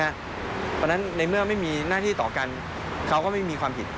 เพราะฉะนั้นในเมื่อไม่มีหน้าที่ต่อกันเขาก็ไม่มีความผิด